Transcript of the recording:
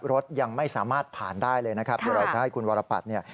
รถยังไม่สามารถผ่านได้เลยนะครับเดี๋ยวเราจะให้คุณวรปัตย์เนี่ย